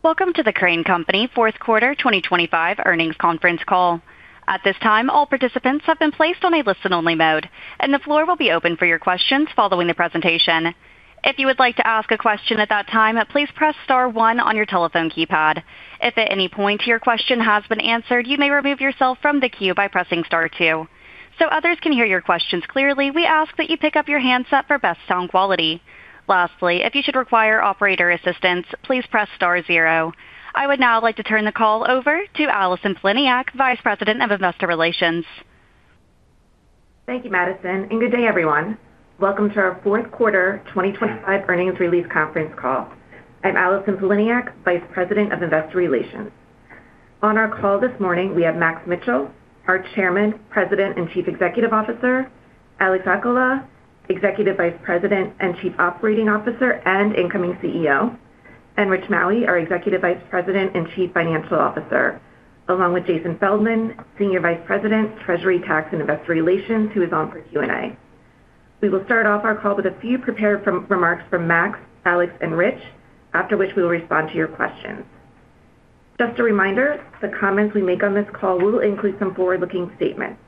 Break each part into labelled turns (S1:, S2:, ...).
S1: Welcome to The Crane Company fourth quarter 2025 earnings conference call. At this time, all participants have been placed on a listen-only mode, and the floor will be open for your questions following the presentation. If you would like to ask a question at that time, please press star one on your telephone keypad. If at any point your question has been answered, you may remove yourself from the queue by pressing star two. So others can hear your questions clearly, we ask that you pick up your handset for best sound quality. Lastly, if you should require operator assistance, please press star zero. I would now like to turn the call over to Allison Poliniak, Vice President of Investor Relations.
S2: Thank you, Madison, and good day, everyone. Welcome to our fourth quarter 2025 earnings release conference call. I'm Allison Poliniak, Vice President of Investor Relations. On our call this morning, we have Max Mitchell, our Chairman, President, and Chief Executive Officer, Alex Alcala, Executive Vice President and Chief Operating Officer and incoming CEO, and Rich Maue, our Executive Vice President and Chief Financial Officer, along with Jason Feldman, Senior Vice President, Treasury, Tax, and Investor Relations, who is on for Q&A. We will start off our call with a few prepared remarks from Max, Alex, and Rich, after which we will respond to your questions. Just a reminder, the comments we make on this call will include some forward-looking statements.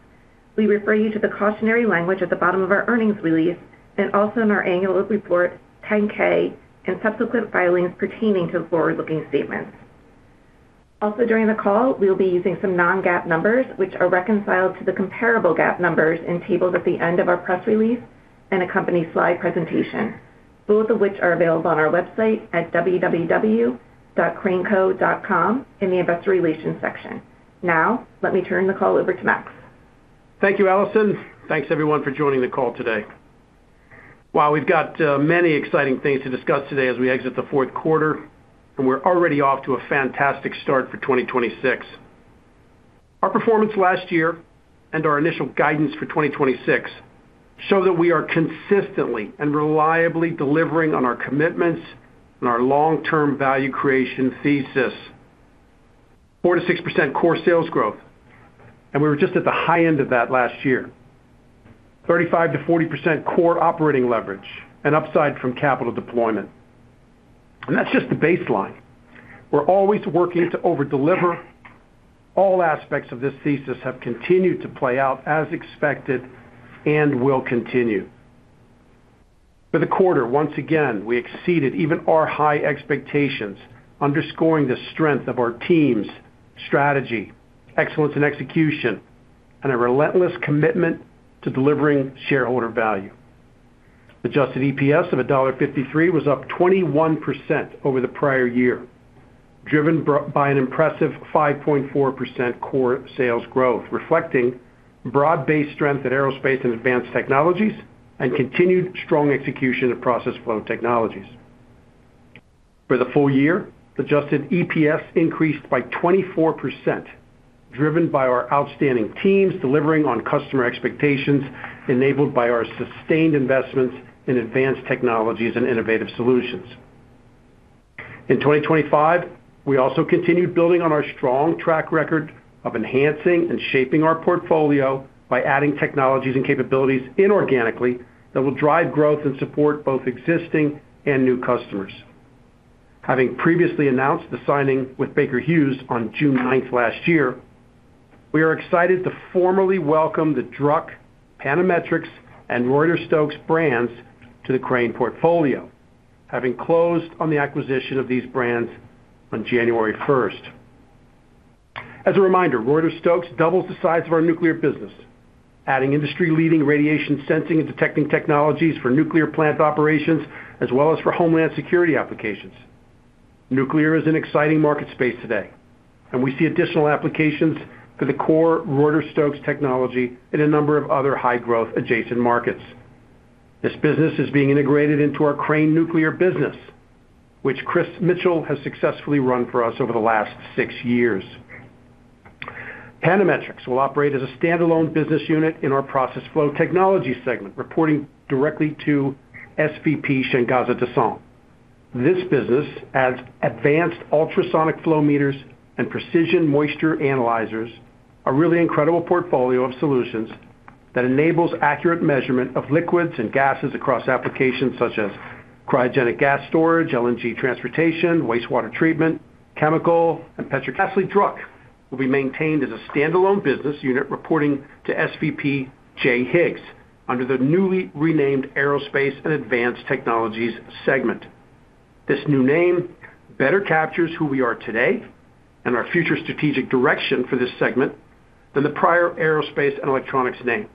S2: We refer you to the cautionary language at the bottom of our earnings release and also in our annual report, 10-K, and subsequent filings pertaining to forward-looking statements. Also, during the call, we will be using some non-GAAP numbers, which are reconciled to the comparable GAAP numbers in tables at the end of our press release and accompanying slide presentation, both of which are available on our website at www.craneco.com in the Investor Relations section. Now, let me turn the call over to Max.
S3: Thank you, Allison. Thanks, everyone, for joining the call today. While we've got many exciting things to discuss today as we exit the fourth quarter, and we're already off to a fantastic start for 2026. Our performance last year and our initial guidance for 2026 show that we are consistently and reliably delivering on our commitments and our long-term value creation thesis. 4%-6% core sales growth, and we were just at the high end of that last year. 35%-40% core operating leverage and upside from capital deployment. And that's just the baseline. We're always working to over-deliver. All aspects of this thesis have continued to play out as expected and will continue. For the quarter, once again, we exceeded even our high expectations, underscoring the strength of our teams, strategy, excellence, and execution, and a relentless commitment to delivering shareholder value. Adjusted EPS of $1.53 was up 21% over the prior year, driven by an impressive 5.4% core sales growth, reflecting broad-based strength in aerospace and advanced technologies and continued strong execution of process flow technologies. For the full year, adjusted EPS increased by 24%, driven by our outstanding teams delivering on customer expectations, enabled by our sustained investments in advanced technologies and innovative solutions. In 2025, we also continued building on our strong track record of enhancing and shaping our portfolio by adding technologies and capabilities inorganically that will drive growth and support both existing and new customers. Having previously announced the signing with Baker Hughes on June 9 last year, we are excited to formally welcome the Druck, Panametrics, and Reuter-Stokes brands to the Crane portfolio, having closed on the acquisition of these brands on January 1. As a reminder, Reuter-Stokes doubles the size of our nuclear business, adding industry-leading radiation sensing and detecting technologies for nuclear plant operations, as well as for homeland security applications. Nuclear is an exciting market space today, and we see additional applications for the core Reuter-Stokes technology in a number of other high-growth adjacent markets. This business is being integrated into our Crane Nuclear business, which Chris Mitchell has successfully run for us over the last six years. Panametrics will operate as a standalone business unit in our Process Flow Technologies segment, reporting directly to SVP, Shangaza Dasent. This business adds advanced ultrasonic flow meters and precision moisture analyzers, a really incredible portfolio of solutions that enables accurate measurement of liquids and gases across applications such as cryogenic gas storage, LNG transportation, wastewater treatment, chemical, and petrol... Lastly, Druck will be maintained as a standalone business unit reporting to SVP Jay Higgs under the newly renamed Aerospace and Advanced Technologies segment. This new name better captures who we are today and our future strategic direction for this segment than the prior Aerospace and Electronics name.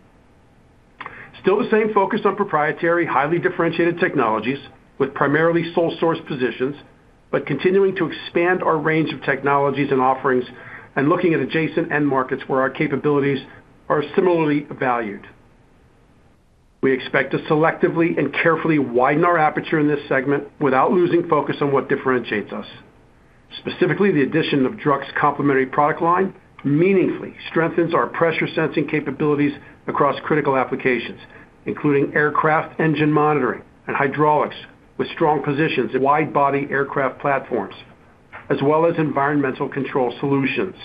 S3: Still the same focus on proprietary, highly differentiated technologies with primarily sole source positions, but continuing to expand our range of technologies and offerings and looking at adjacent end markets where our capabilities are similarly valued. We expect to selectively and carefully widen our aperture in this segment without losing focus on what differentiates us. Specifically, the addition of Druck's complementary product line meaningfully strengthens our pressure sensing capabilities across critical applications, including aircraft engine monitoring and hydraulics, with strong positions in wide-body aircraft platforms, as well as environmental control solutions....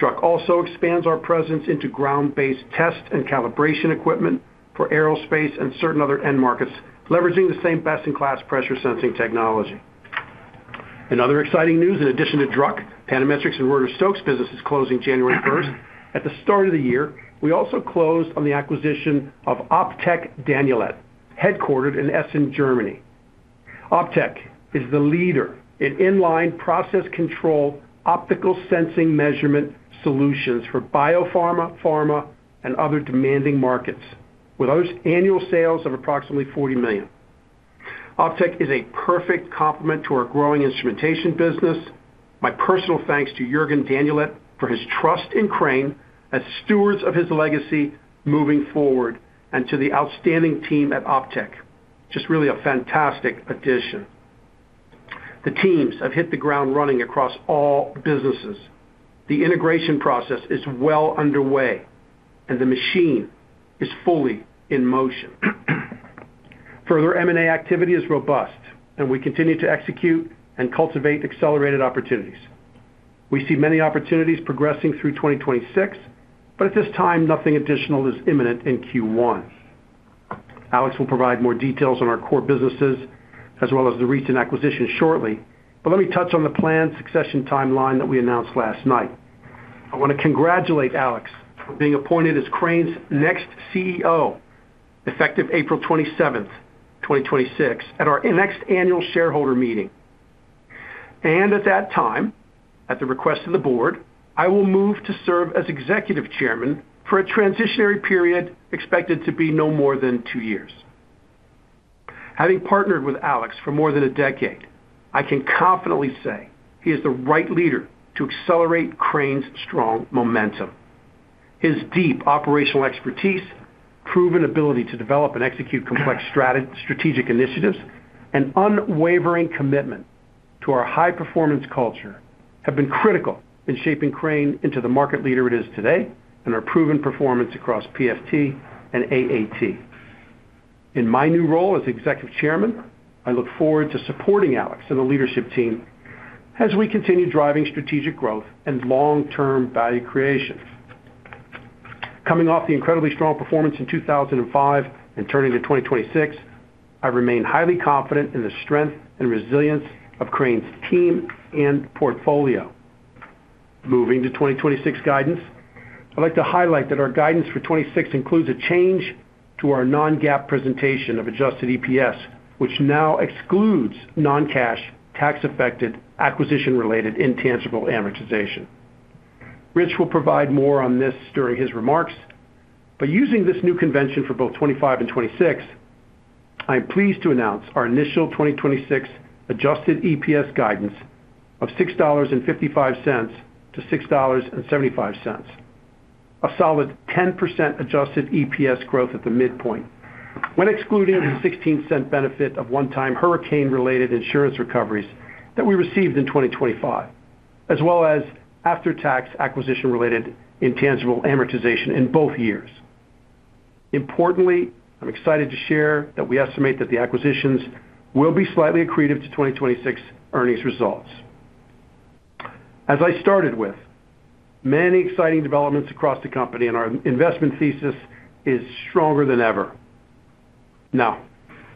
S3: Druck also expands our presence into ground-based test and calibration equipment for aerospace and certain other end markets, leveraging the same best-in-class pressure sensing technology. In other exciting news, in addition to Druck, Panametrics, and Reuter-Stokes businesses closing January 1, at the start of the year, we also closed on the acquisition of Optek-Danulat, headquartered in Essen, Germany. Optek-Danulat is the leader in inline process control, optical sensing measurement solutions for biopharma, pharma, and other demanding markets, with those annual sales of approximately $40 million. Optek-Danulat is a perfect complement to our growing instrumentation business. My personal thanks to Jürgen Danulat for his trust in Crane as stewards of his legacy moving forward, and to the outstanding team at Optek-Danulat. Just really a fantastic addition. The teams have hit the ground running across all businesses. The integration process is well underway, and the machine is fully in motion. Further M&A activity is robust, and we continue to execute and cultivate accelerated opportunities. We see many opportunities progressing through 2026, but at this time, nothing additional is imminent in Q1. Alex will provide more details on our core businesses as well as the recent acquisition shortly, but let me touch on the planned succession timeline that we announced last night. I want to congratulate Alex for being appointed as Crane's next CEO, effective April 27, 2026, at our next annual shareholder meeting. And at that time, at the request of the board, I will move to serve as Executive Chairman for a transitionary period, expected to be no more than two years. Having partnered with Alex for more than a decade, I can confidently say he is the right leader to accelerate Crane's strong momentum. His deep operational expertise, proven ability to develop and execute complex strategic initiatives, and unwavering commitment to our high-performance culture, have been critical in shaping Crane into the market leader it is today and our proven performance across PFT and AAT. In my new role as executive chairman, I look forward to supporting Alex and the leadership team as we continue driving strategic growth and long-term value creation. Coming off the incredibly strong performance in 2025 and turning to 2026, I remain highly confident in the strength and resilience of Crane's team and portfolio. Moving to 2026 guidance, I'd like to highlight that our guidance for 2026 includes a change to our non-GAAP presentation of adjusted EPS, which now excludes non-cash, tax-affected, acquisition-related, intangible amortization. Rich will provide more on this during his remarks, but using this new convention for both 2025 and 2026, I'm pleased to announce our initial 2026 adjusted EPS guidance of $6.55-$6.75. A solid 10% adjusted EPS growth at the midpoint, when excluding the $0.16 benefit of one-time hurricane-related insurance recoveries that we received in 2025, as well as after-tax acquisition-related intangible amortization in both years. Importantly, I'm excited to share that we estimate that the acquisitions will be slightly accretive to 2026 earnings results. As I started with, many exciting developments across the company, and our investment thesis is stronger than ever. Now,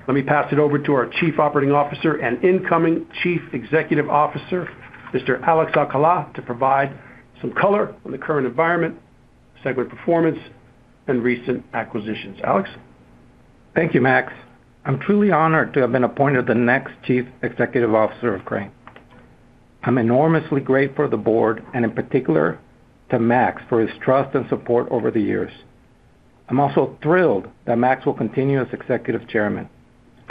S3: let me pass it over to our Chief Operating Officer and incoming Chief Executive Officer, Mr. Alex Alcala, to provide some color on the current environment, segment performance, and recent acquisitions. Alex?
S4: Thank you, Max. I'm truly honored to have been appointed the next Chief Executive Officer of Crane. I'm enormously grateful for the board, and in particular, to Max, for his trust and support over the years. I'm also thrilled that Max will continue as Executive Chairman,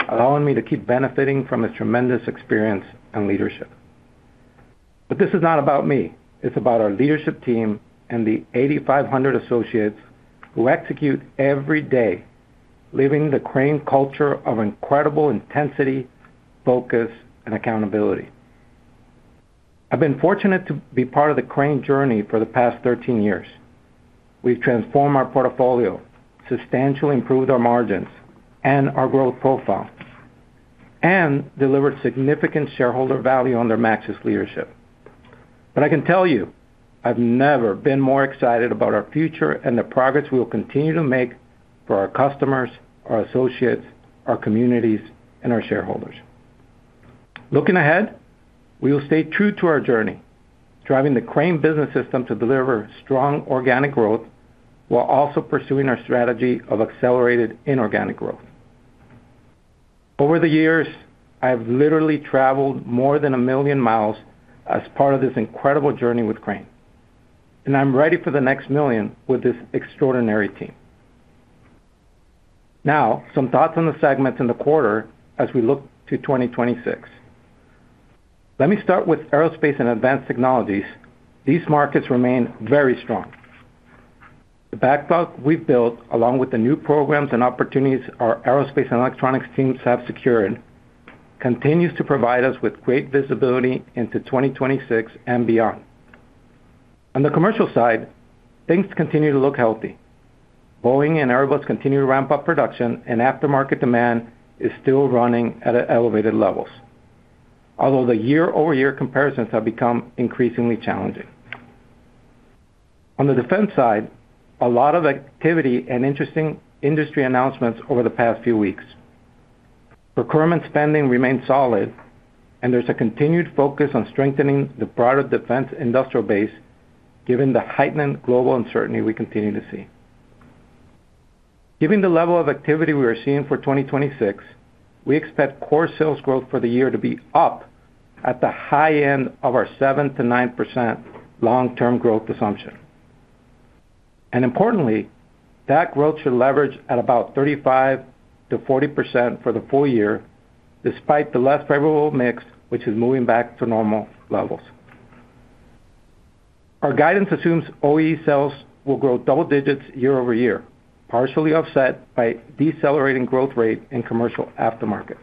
S4: allowing me to keep benefiting from his tremendous experience and leadership. But this is not about me. It's about our leadership team and the 8,500 associates who execute every day, living the Crane culture of incredible intensity, focus, and accountability. I've been fortunate to be part of the Crane journey for the past 13 years. We've transformed our portfolio, substantially improved our margins and our growth profile, and delivered significant shareholder value under Max's leadership. But I can tell you, I've never been more excited about our future and the progress we will continue to make for our customers, our associates, our communities, and our shareholders. Looking ahead, we will stay true to our journey, driving the Crane Business System to deliver strong organic growth while also pursuing our strategy of accelerated inorganic growth. Over the years, I've literally traveled more than a million miles as part of this incredible journey with Crane, and I'm ready for the next million with this extraordinary team. Now, some thoughts on the segments in the quarter as we look to 2026. Let me start with Aerospace and Advanced Technologies. These markets remain very strong. The backbone we've built, along with the new programs and opportunities our Aerospace and Electronics teams have secured, continues to provide us with great visibility into 2026 and beyond. On the commercial side, things continue to look healthy. Boeing and Airbus continue to ramp up production, and aftermarket demand is still running at elevated levels.... Although the year-over-year comparisons have become increasingly challenging. On the defense side, a lot of activity and interesting industry announcements over the past few weeks. Procurement spending remains solid, and there's a continued focus on strengthening the broader defense industrial base, given the heightened global uncertainty we continue to see. Given the level of activity we are seeing for 2026, we expect core sales growth for the year to be up at the high end of our 7%-9% long-term growth assumption. And importantly, that growth should leverage at about 35%-40% for the full year, despite the less favorable mix, which is moving back to normal levels. Our guidance assumes OE sales will grow double digits year-over-year, partially offset by decelerating growth rate in commercial aftermarket.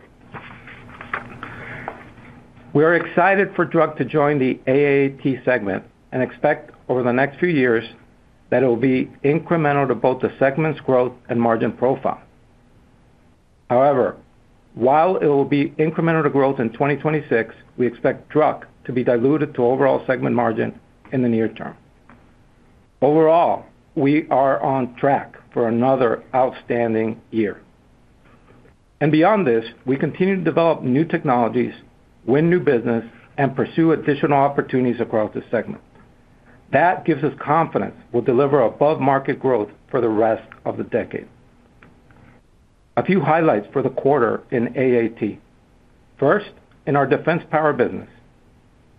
S4: We are excited for Druck to join the AAT segment and expect over the next few years that it will be incremental to both the segment's growth and margin profile. However, while it will be incremental to growth in 2026, we expect Druck to be diluted to overall segment margin in the near term. Overall, we are on track for another outstanding year. And beyond this, we continue to develop new technologies, win new business, and pursue additional opportunities across the segment. That gives us confidence we'll deliver above-market growth for the rest of the decade. A few highlights for the quarter in AAT. First, in our defense power business,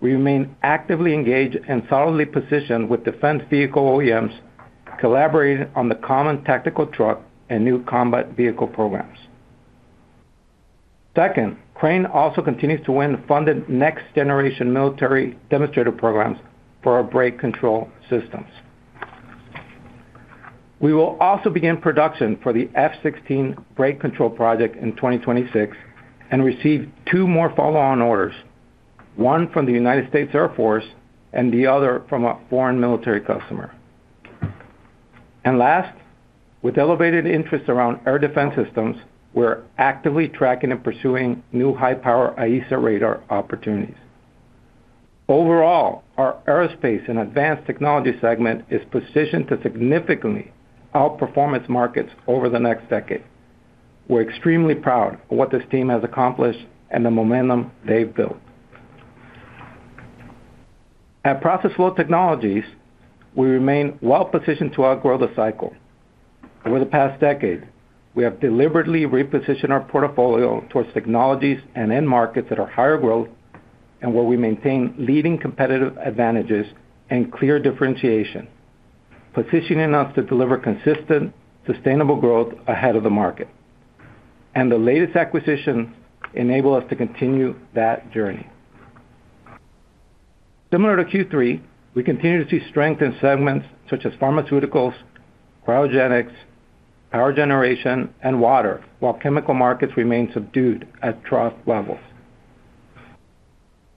S4: we remain actively engaged and solidly positioned with defense vehicle OEMs, collaborating on the Common Tactical Druck and new combat vehicle programs. Second, Crane also continues to win funded next-generation military demonstrator programs for our brake control systems. We will also begin production for the F-16 brake control project in 2026 and receive two more follow-on orders, one from the United States Air Force and the other from a foreign military customer. And last, with elevated interest around air defense systems, we're actively tracking and pursuing new high-power AESA radar opportunities. Overall, our Aerospace and Advanced Technologies segment is positioned to significantly outperform its markets over the next decade. We're extremely proud of what this team has accomplished and the momentum they've built. At Process Flow Technologies, we remain well positioned to outgrow the cycle. Over the past decade, we have deliberately repositioned our portfolio towards technologies and end markets that are higher growth and where we maintain leading competitive advantages and clear differentiation, positioning us to deliver consistent, sustainable growth ahead of the market. The latest acquisitions enable us to continue that journey. Similar to Q3, we continue to see strength in segments such as pharmaceuticals, cryogenics, power generation, and water, while chemical markets remain subdued at trough levels.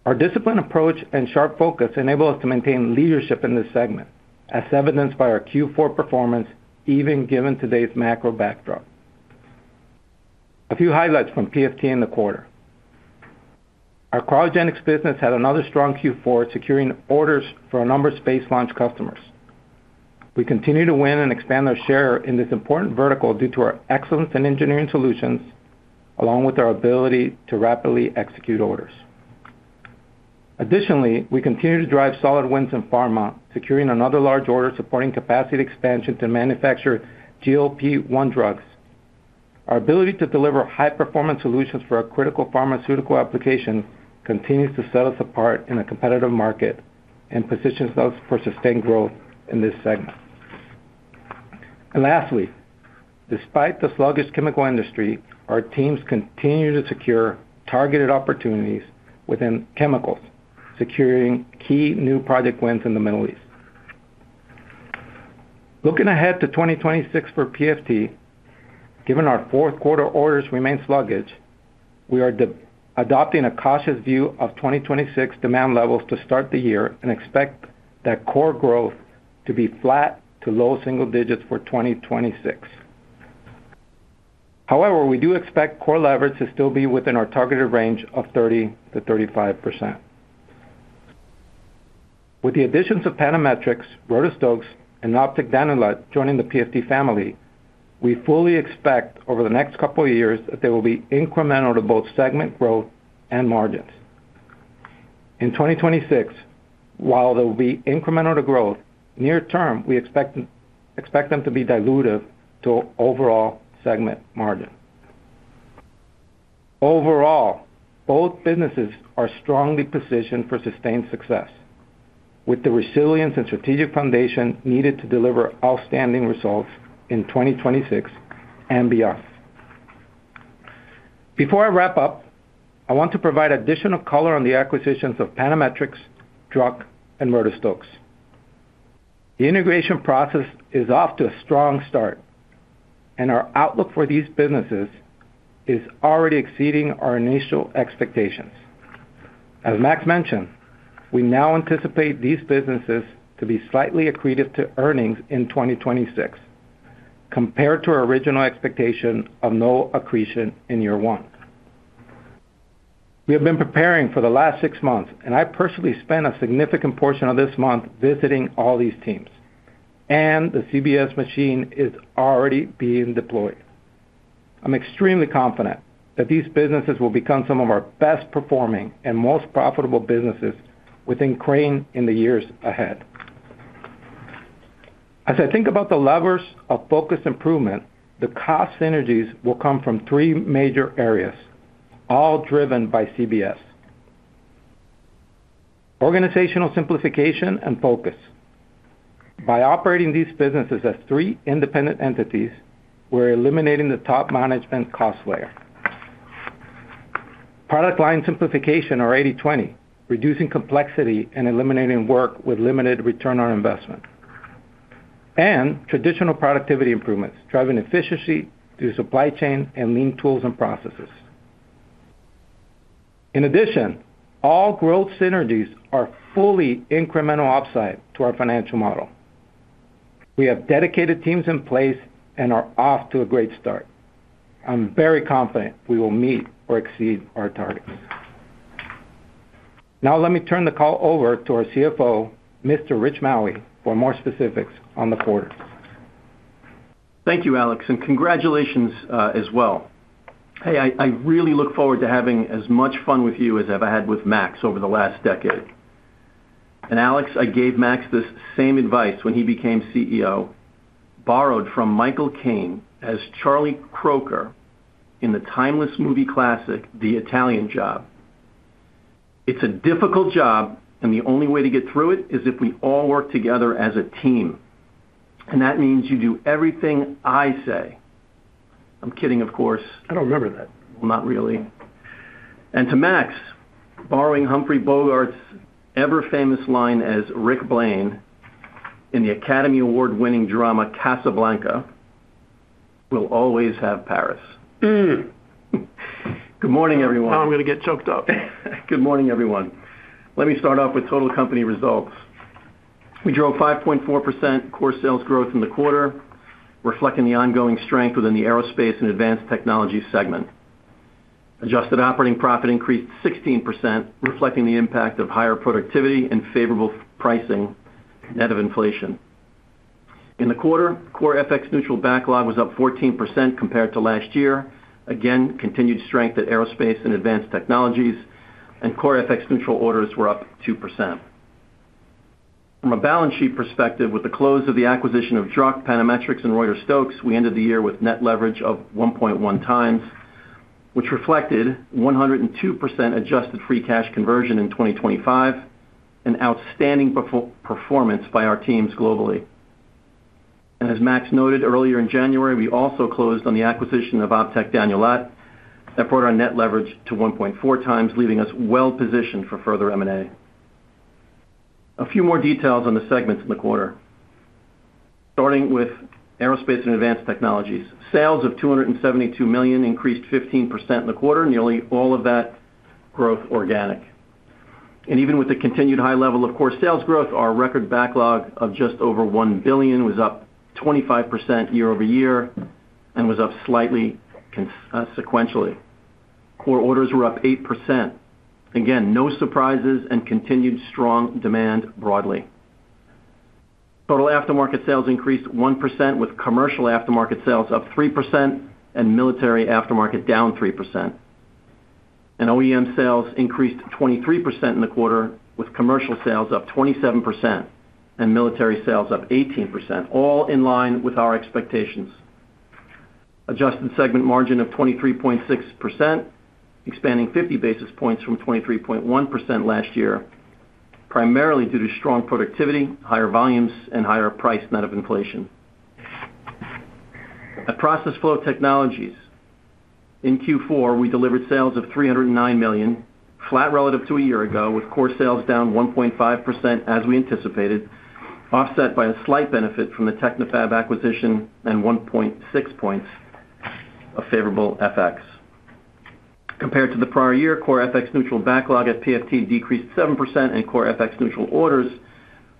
S4: Our disciplined approach and sharp focus enable us to maintain leadership in this segment, as evidenced by our Q4 performance, even given today's macro backdrop. A few highlights from PFT in the quarter. Our cryogenics business had another strong Q4, securing orders for a number of space launch customers. We continue to win and expand our share in this important vertical due to our excellence in engineering solutions, along with our ability to rapidly execute orders. Additionally, we continue to drive solid wins in pharma, securing another large order supporting capacity expansion to manufacture GLP-1 drugs. Our ability to deliver high-performance solutions for our critical pharmaceutical application continues to set us apart in a competitive market and positions us for sustained growth in this segment. And lastly, despite the sluggish chemical industry, our teams continue to secure targeted opportunities within chemicals, securing key new project wins in the Middle East. Looking ahead to 2026 for PFT, given our fourth quarter orders remain sluggish, we are adopting a cautious view of 2026 demand levels to start the year and expect that core growth to be flat to low single digits for 2026. However, we do expect core leverage to still be within our targeted range of 30%-35%. With the additions of Panametrics, Reuter-Stokes, and Optek-Danulat joining the PFT family, we fully expect over the next couple of years that they will be incremental to both segment growth and margins. In 2026, while there will be incremental to growth, near term, we expect them to be dilutive to overall segment margin. Overall, both businesses are strongly positioned for sustained success, with the resilience and strategic foundation needed to deliver outstanding results in 2026 and beyond. Before I wrap up, I want to provide additional color on the acquisitions of Panametrics, Druck, and Reuter-Stokes. The integration process is off to a strong start, and our outlook for these businesses is already exceeding our initial expectations. As Max mentioned, we now anticipate these businesses to be slightly accretive to earnings in 2026, compared to our original expectation of no accretion in year one. We have been preparing for the last six months, and I personally spent a significant portion of this month visiting all these teams, and the CBS machine is already being deployed. I'm extremely confident that these businesses will become some of our best performing and most profitable businesses within Crane in the years ahead. As I think about the levers of focused improvement, the cost synergies will come from three major areas, all driven by CBS. Organizational simplification and focus. By operating these businesses as three independent entities, we're eliminating the top management cost layer. Product line simplification or 80/20, reducing complexity and eliminating work with limited return on investment, and traditional productivity improvements, driving efficiency through supply chain and lean tools and processes. In addition, all growth synergies are fully incremental upside to our financial model. We have dedicated teams in place and are off to a great start. I'm very confident we will meet or exceed our targets. Now, let me turn the call over to our CFO, Mr. Rich Maue, for more specifics on the quarter.
S5: Thank you, Alex, and congratulations as well. Hey, I really look forward to having as much fun with you as I've had with Max over the last decade. And Alex, I gave Max this same advice when he became CEO, borrowed from Michael Caine as Charlie Croker in the timeless movie classic, The Italian Job. "It's a difficult job, and the only way to get through it is if we all work together as a team, and that means you do everything I say." I'm kidding, of course.
S4: I don't remember that. Not really. And to Max, borrowing Humphrey Bogart's ever famous line as Rick Blaine in the Academy Award-winning drama, Casablanca, "We'll always have Paris. Mm! Good morning, everyone. Now I'm gonna get choked up. Good morning, everyone. Let me start off with total company results. We drove 5.4% core sales growth in the quarter, reflecting the ongoing strength within the Aerospace and Advanced Technologies segment. Adjusted operating profit increased 16%, reflecting the impact of higher productivity and favorable pricing net of inflation. In the quarter, core FX neutral backlog was up 14% compared to last year. Again, continued strength at Aerospace and Advanced Technologies, and core FX neutral orders were up 2%. From a balance sheet perspective, with the close of the acquisition of Druck, Panametrics, and Reuter-Stokes, we ended the year with net leverage of 1.1 times, which reflected 102% adjusted free cash conversion in 2025, an outstanding performance by our teams globally. As Max noted earlier in January, we also closed on the acquisition of Optek-Danulat, that brought our net leverage to 1.4 times, leaving us well-positioned for further M&A. A few more details on the segments in the quarter. Starting with Aerospace and Advanced Technologies. Sales of $272 million increased 15% in the quarter, nearly all of that growth organic. Even with the continued high level of core sales growth, our record backlog of just over $1 billion was up 25% year-over-year and was up slightly sequentially. Core orders were up 8%. Again, no surprises and continued strong demand broadly. Total aftermarket sales increased 1%, with commercial aftermarket sales up 3% and military aftermarket down 3%. OEM sales increased 23% in the quarter, with commercial sales up 27% and military sales up 18%, all in line with our expectations. Adjusted segment margin of 23.6%, expanding 50 basis points from 23.1% last year, primarily due to strong productivity, higher volumes, and higher price net of inflation. At Process Flow Technologies, in Q4, we delivered sales of $309 million, flat relative to a year ago, with core sales down 1.5%, as we anticipated, offset by a slight benefit from the Technifab acquisition and 1.6 points of favorable FX. Compared to the prior year, core FX neutral backlog at PFT decreased 7%, and core FX neutral orders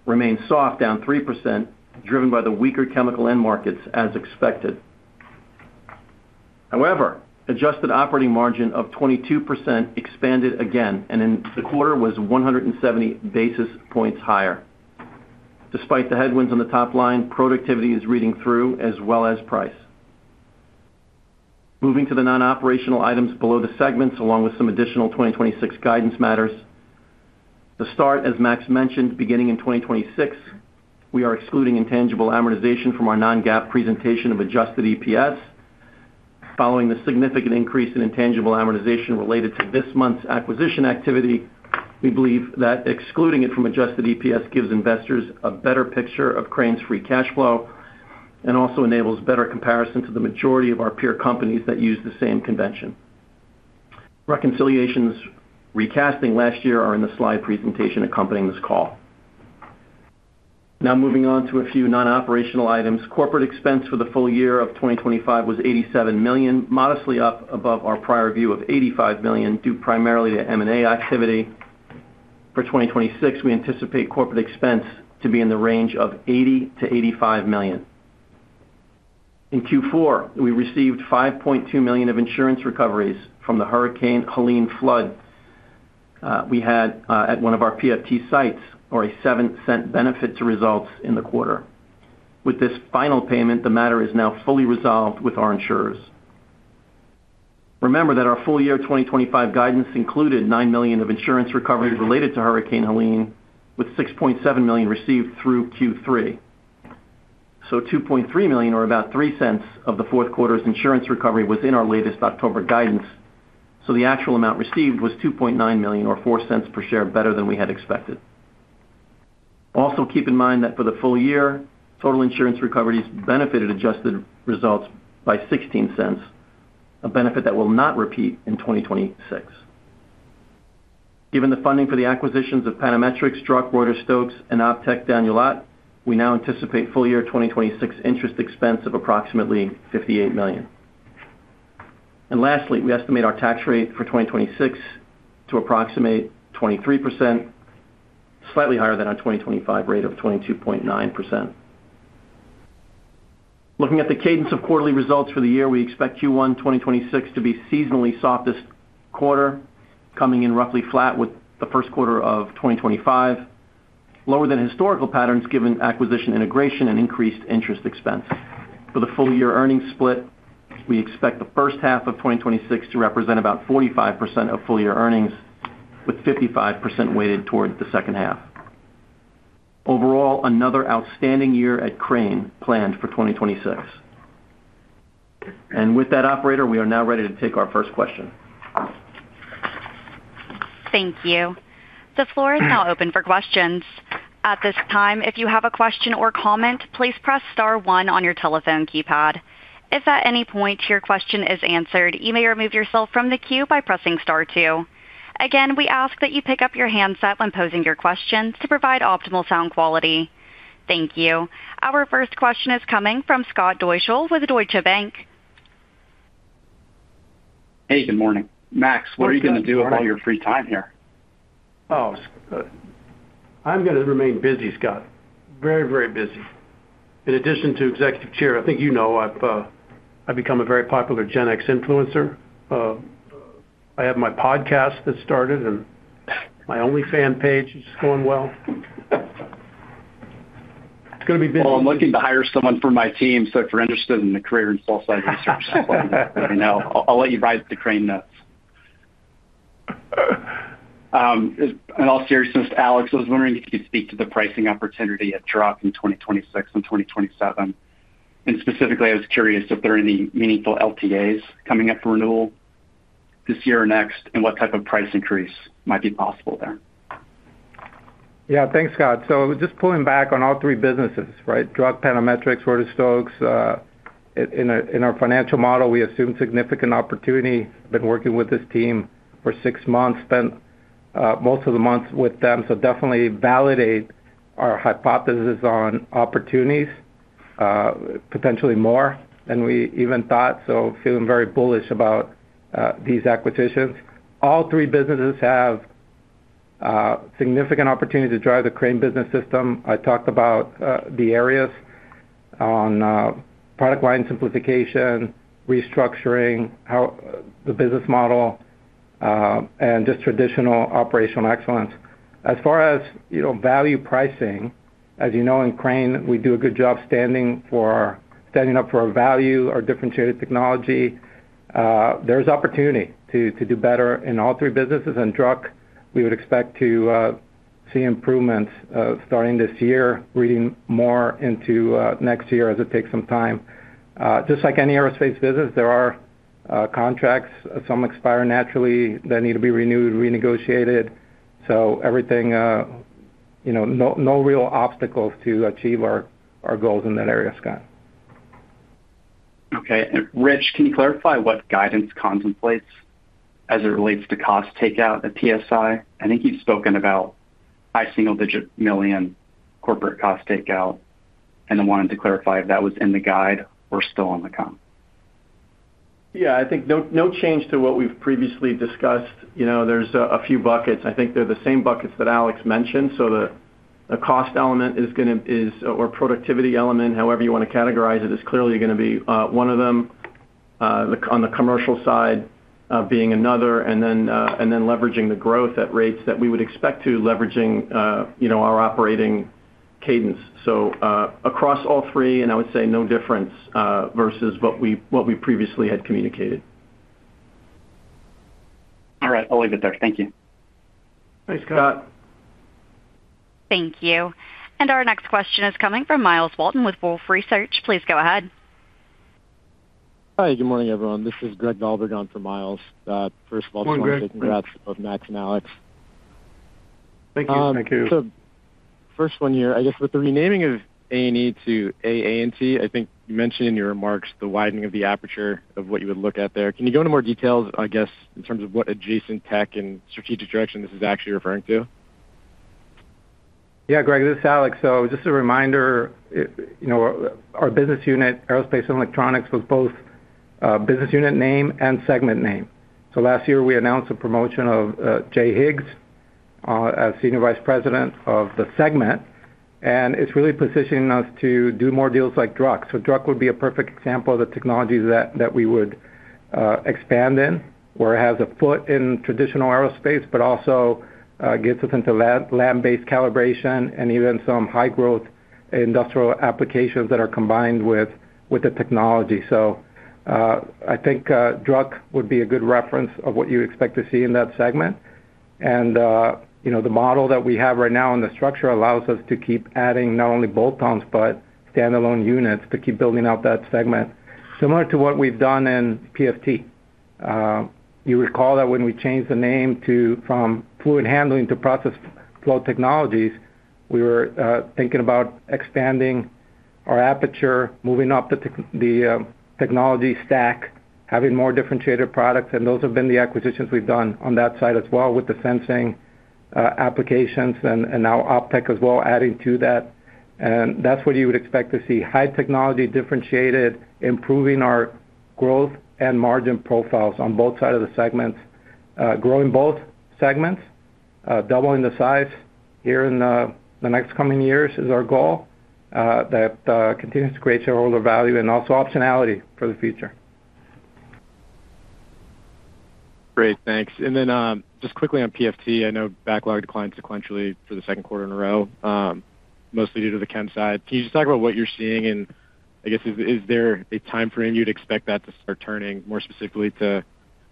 S4: remained soft, down 3%, driven by the weaker chemical end markets, as expected. However, adjusted operating margin of 22% expanded again, and in the quarter was 170 basis points higher. Despite the headwinds on the top line, productivity is reading through as well as price. Moving to the non-operational items below the segments, along with some additional 2026 guidance matters. To start, as Max mentioned, beginning in 2026, we are excluding intangible amortization from our non-GAAP presentation of adjusted EPS. Following the significant increase in intangible amortization related to this month's acquisition activity, we believe that excluding it from adjusted EPS gives investors a better picture of Crane's free cash flow and also enables better comparison to the majority of our peer companies that use the same convention. Reconciliations recasting last year are in the slide presentation accompanying this call. Now, moving on to a few non-operational items. Corporate expense for the full year of 2025 was $87 million, modestly up above our prior view of $85 million, due primarily to M&A activity. For 2026, we anticipate corporate expense to be in the range of $80 million-$85 million. In Q4, we received $5.2 million of insurance recoveries from the Hurricane Helene flood. We had at one of our PFT sites, or a $0.07 benefit to results in the quarter. With this final payment, the matter is now fully resolved with our insurers. Remember that our full year 2025 guidance included $9 million of insurance recoveries related to Hurricane Helene, with $6.7 million received through Q3. So $2.3 million, or about $0.03 of the fourth quarter's insurance recovery, was in our latest October guidance, so the actual amount received was $2.9 million, or $0.04 per share better than we had expected. Also, keep in mind that for the full year, total insurance recoveries benefited adjusted results by $0.16, a benefit that will not repeat in 2026. Given the funding for the acquisitions of Panametrics, Druck, Reuter-Stokes, and Optek-Danulat, we now anticipate full-year 2026 interest expense of approximately $58 million. And lastly, we estimate our tax rate for 2026 to approximate 23%, slightly higher than our 2025 rate of 22.9%. Looking at the cadence of quarterly results for the year, we expect Q1 2026 to be seasonally soft this quarter, coming in roughly flat with the first quarter of 2025, lower than historical patterns, given acquisition, integration, and increased interest expense. For the full year earnings split, we expect the first half of 2026 to represent about 45% of full year earnings, with 55% weighted towards the second half. Overall, another outstanding year at Crane planned for 2026. With that, operator, we are now ready to take our first question.
S1: Thank you. The floor is now open for questions. At this time, if you have a question or comment, please press star one on your telephone keypad. If at any point your question is answered, you may remove yourself from the queue by pressing star two. Again, we ask that you pick up your handset when posing your questions to provide optimal sound quality. Thank you. Our first question is coming from Scott Deuschle with Deutsche Bank.
S6: Hey, good morning. Max, what are you going to do about your free time here?
S3: Oh, Scott. I'm gonna remain busy, Scott. Very, very busy. In addition to executive chair, I think you know, I've, I've become a very popular Gen X influencer. I have my podcast that started, and my OnlyFans page is going well. It's gonna be busy.
S6: Well, I'm looking to hire someone for my team, so if you're interested in a career in sell-side research, let me know. I'll let you rise to the Crane nuts. In all seriousness, Alex, I was wondering if you could speak to the pricing opportunity at Druck in 2026 and 2027. Specifically, I was curious if there are any meaningful LTAs coming up for renewal this year or next, and what type of price increase might be possible there?
S4: Yeah, thanks, Scott. So just pulling back on all three businesses, right? Druck, Panametrics, Reuter-Stokes, in our financial model, we assume significant opportunity. Been working with this team for six months, spent most of the months with them. So definitely validate our hypothesis on opportunities, potentially more than we even thought. So feeling very bullish about these acquisitions. All three businesses have significant opportunity to drive the Crane Business System. I talked about the areas on product line simplification, restructuring, how the business model, and just traditional operational excellence. As far as value pricing, as you know, in Crane, we do a good job standing for—standing up for our value, our differentiated technology. There's opportunity to do better in all three businesses. In Druck, we would expect to see improvements starting this year, ramping more into next year as it takes some time. Just like any aerospace business, there are contracts. Some expire naturally that need to be renewed, renegotiated. So everything, you know, no real obstacles to achieve our goals in that area, Scott.
S6: Okay. Rich, can you clarify what guidance contemplates as it relates to cost takeout at PSI? I think you've spoken about high single-digit $ million corporate cost takeout, and I wanted to clarify if that was in the guide or still on the count.
S5: Yeah, I think no change to what we've previously discussed. You know, there's a few buckets. I think they're the same buckets that Alex mentioned. So the cost element is gonna, or productivity element, however you want to categorize it, is clearly gonna be one of them, on the commercial side being another, and then leveraging the growth at rates that we would expect to leveraging, you know, our operating cadence. So across all three, and I would say no difference versus what we previously had communicated.
S6: All right, I'll leave it there. Thank you.
S3: Thanks, Scott.
S1: Thank you. And our next question is coming from Miles Walton with Wolfe Research. Please go ahead.
S7: Hi, good morning, everyone. This is Greg Nalbandian for Miles. First of all-
S5: Good morning, Greg....
S7: congrats to both Max and Alex.
S3: Thank you.
S4: Thank you.
S7: So first one here, I guess with the renaming of A&E to AAT, I think you mentioned in your remarks the widening of the aperture of what you would look at there. Can you go into more details, I guess, in terms of what adjacent tech and strategic direction this is actually referring to? ...
S4: Yeah, Greg, this is Alex. So just a reminder, you know, our business unit, Aerospace and Electronics, was both, business unit name and segment name. So last year, we announced the promotion of, Jay Higgs, as Senior Vice President of the segment, and it's really positioning us to do more deals like Druck. So Druck would be a perfect example of the technologies that we would expand in, where it has a foot in traditional aerospace, but also, gets us into lab-based calibration and even some high-growth industrial applications that are combined with the technology. So, I think, Druck would be a good reference of what you expect to see in that segment. And, you know, the model that we have right now, and the structure allows us to keep adding not only bolt-ons, but standalone units to keep building out that segment, similar to what we've done in PFT. You recall that when we changed the name from Fluid Handling to Process Flow Technologies, we were thinking about expanding our aperture, moving up the technology stack, having more differentiated products, and those have been the acquisitions we've done on that side as well, with the sensing applications and now Optek as well, adding to that. And that's what you would expect to see. High technology, differentiated, improving our growth and margin profiles on both sides of the segments. Growing both segments, doubling the size here in the next coming years is our goal, that continues to create shareholder value and also optionality for the future.
S7: Great, thanks. And then, just quickly on PFT, I know backlog declined sequentially for the second quarter in a row, mostly due to the chem side. Can you just talk about what you're seeing? And I guess, is, is there a time frame you'd expect that to start turning, more specifically, to,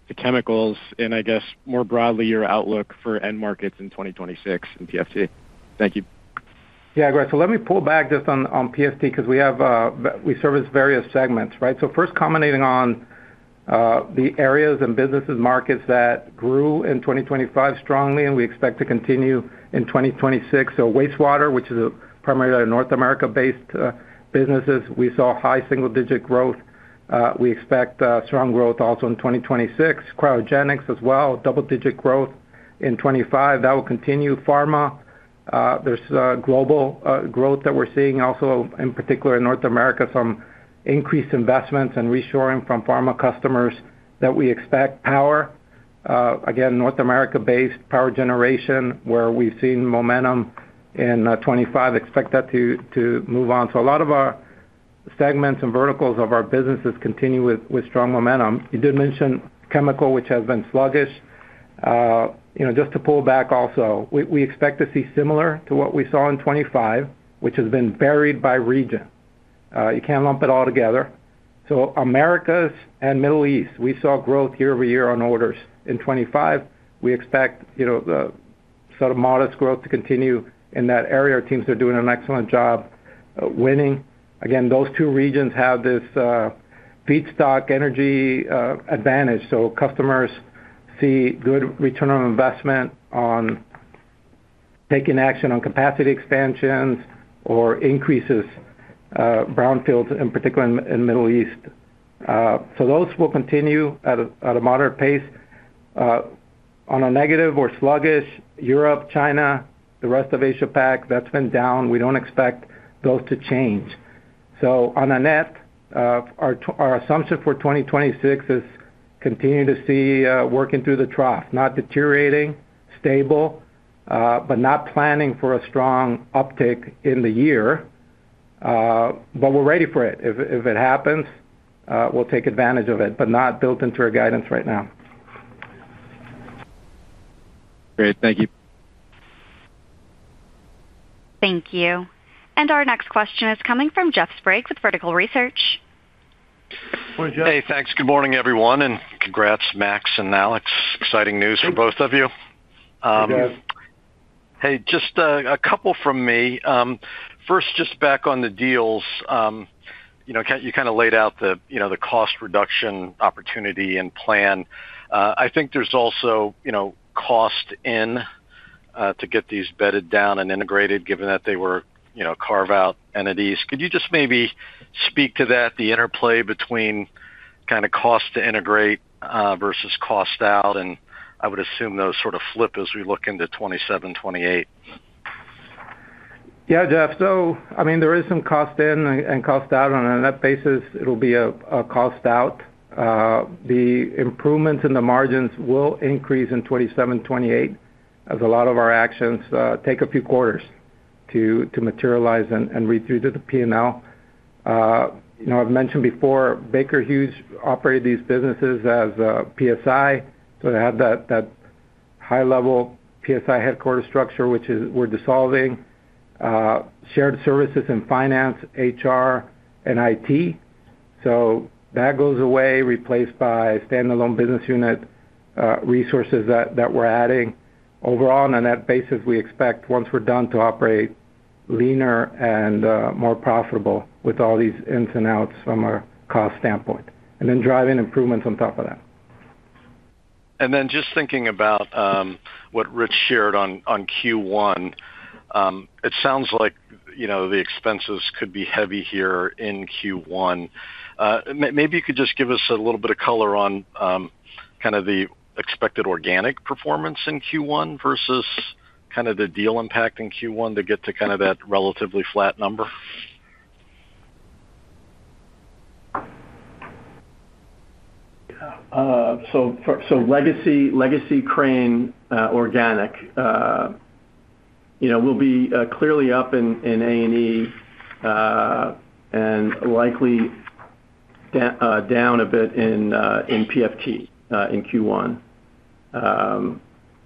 S7: to chemicals and, I guess, more broadly, your outlook for end markets in 2026 in PFT? Thank you.
S4: Yeah, Greg, so let me pull back just on PFT because we have, we service various segments, right? So first, commenting on the areas and businesses markets that grew in 2025 strongly, and we expect to continue in 2026. So wastewater, which is primarily a North America-based business, we saw high single-digit growth. We expect strong growth also in 2026. Cryogenics as well, double-digit growth in 25. That will continue. Pharma, there's global growth that we're seeing also, in particular in North America, some increased investments and reshoring from pharma customers that we expect. Power, again, North America-based power generation, where we've seen momentum in 25, expect that to move on. So a lot of our segments and verticals of our businesses continue with strong momentum. You did mention chemical, which has been sluggish. You know, just to pull back also, we expect to see similar to what we saw in 2025, which has been varied by region. You can't lump it all together. So Americas and Middle East, we saw growth year-over-year on orders. In 2025, we expect, you know, the sort of modest growth to continue in that area. Our teams are doing an excellent job of winning. Again, those two regions have this, feedstock energy, advantage, so customers see good return on investment on taking action on capacity expansions or increases, brownfields, in particular in Middle East. So those will continue at a moderate pace. On a negative or sluggish, Europe, China, the rest of Asia Pac, that's been down. We don't expect those to change. So on a net, our assumption for 2026 is continuing to see working through the trough, not deteriorating, stable, but not planning for a strong uptick in the year. But we're ready for it. If it happens, we'll take advantage of it, but not built into our guidance right now.
S7: Great. Thank you.
S1: Thank you. Our next question is coming from Jeff Sprague with Vertical Research.
S4: Hey, Jeff.
S8: Hey, thanks. Good morning, everyone, and congrats, Max and Alex. Exciting news for both of you.
S3: Hey, Jeff.
S8: Hey, just a couple from me. First, just back on the deals. You know, kind of laid out the, you know, the cost reduction, opportunity, and plan. I think there's also, you know, cost in to get these bedded down and integrated, given that they were, you know, carve-out entities. Could you just maybe speak to that, the interplay between kind of cost to integrate versus cost out? And I would assume those sort of flip as we look into 2027, 2028.
S4: Yeah, Jeff. So, I mean, there is some cost in and, and cost out. On a net basis, it'll be a, a cost out. The improvements in the margins will increase in 2027, 2028, as a lot of our actions take a few quarters to, to materialize and, and read through to the P&L. You know, I've mentioned before, Baker Hughes operated these businesses as, PSI, so it had that, that high-level PSI headquarters structure, which is we're dissolving, shared services in finance, HR, and IT. So that goes away, replaced by standalone business unit, resources that, that we're adding. Overall, on a net basis, we expect, once we're done, to operate leaner and, more profitable with all these ins and outs from a cost standpoint, and then driving improvements on top of that.
S8: And then just thinking about what Rich shared on Q1, it sounds like—you know, the expenses could be heavy here in Q1. Maybe you could just give us a little bit of color on kind of the expected organic performance in Q1 versus kind of the deal impact in Q1 to get to kind of that relatively flat number?
S4: So, legacy Crane organic, you know, will be clearly up in A&E and likely down a bit in PFT in Q1.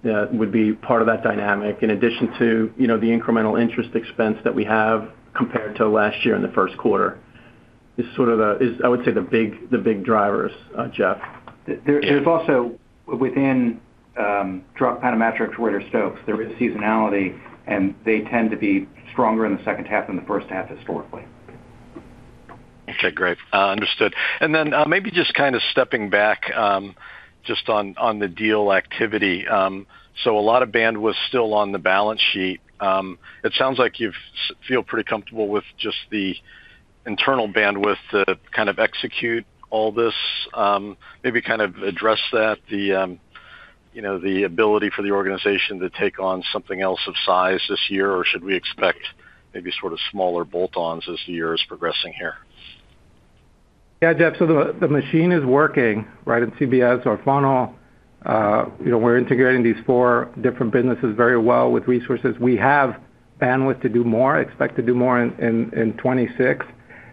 S4: That would be part of that dynamic, in addition to, you know, the incremental interest expense that we have compared to last year in the first quarter, is sort of, I would say, the big drivers, Jeff. There, there's also within Druck, Panametrics, Reuter-Stokes, there is seasonality, and they tend to be stronger in the second half than the first half, historically.
S8: Okay, great. Understood. And then, maybe just kind of stepping back, just on the deal activity. So a lot of bandwidth still on the balance sheet. It sounds like you feel pretty comfortable with just the internal bandwidth to kind of execute all this. Maybe kind of address that, you know, the ability for the organization to take on something else of size this year, or should we expect maybe sort of smaller bolt-ons as the year is progressing here?
S4: Yeah, Jeff, so the machine is working, right, at CBS. Our funnel, you know, we're integrating these four different businesses very well with resources. We have bandwidth to do more, expect to do more in 2026.